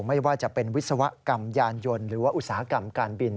ไม่ว่าจะเป็นวิศวกรรมยานยนต์หรือว่าอุตสาหกรรมการบิน